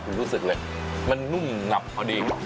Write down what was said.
คุณรู้สึกเลยมันนุ่มหนับพอดี